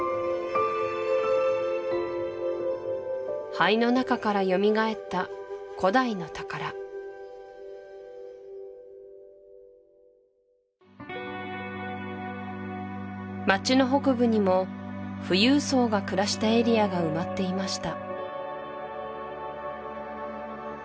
灰の中から蘇った古代の宝街の北部にも富裕層が暮らしたエリアが埋まっていました